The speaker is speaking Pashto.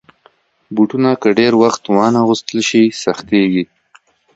بوټونه که ډېر وخته وانهغوستل شي، سختېږي.